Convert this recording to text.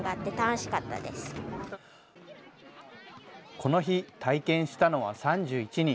この日、体験したのは３１人。